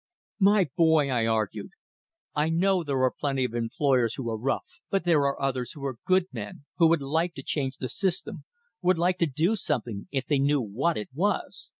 "My boy," I argued, "I know there are plenty of employers who are rough, but there are others who are good men, who would like to change the system, would like to do something, if they knew what it was.